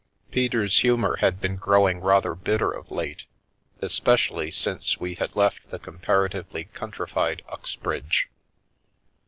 Peter's humour had been growing rather bitter of late, especially since we had left the comparatively countrified Uxbridge.